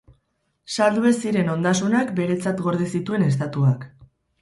Saldu ez ziren ondasunak beretzat gorde zituen Estatuak.